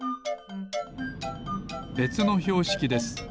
べつのひょうしきです。